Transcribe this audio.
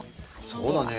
そうだね。